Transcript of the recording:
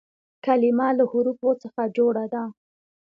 کلیمه له حروفو څخه جوړه ده.